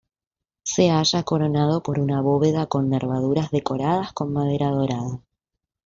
Se halla coronado por una bóveda con nervaduras decoradas con madera dorada.